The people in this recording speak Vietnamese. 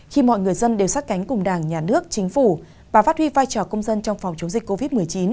khi mọi người dân đều sát cánh cùng đảng nhà nước chính phủ và phát huy vai trò công dân trong phòng chống dịch covid một mươi chín